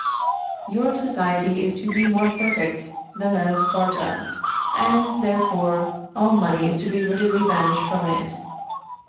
Your society is to be more perfect than that of Sparta, and, therefore, all money is to be rigidly banished from it.